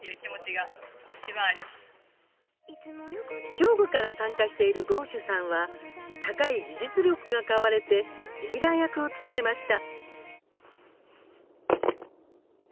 兵庫から参加しているｇｏ−ｓｈｕさんは高い技術力が買われてリーダー役を務めました。